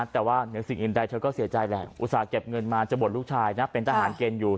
แต่ว่าเหนือสิ่งอื่นใดเธอก็เสียใจแหละอุตส่าห์เก็บเงินมาจะบวชลูกชายนะเป็นทหารเกณฑ์อยู่